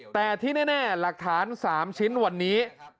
แต่ที่แน่หลักฐาน๓ชิ้นวันนี้